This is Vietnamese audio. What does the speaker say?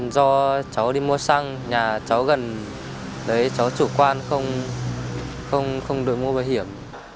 do cháu đi mua xăng nhà cháu gần cháu chủ quan không đội ngũ bảo hiểm